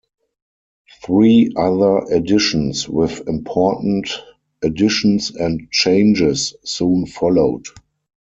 Three other editions, with important additions and changes, soon followed.